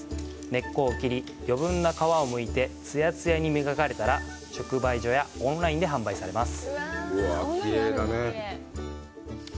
根っこを切り、余分な皮をむいてつやつやに磨かれたら直売所やオンラインで販売されます。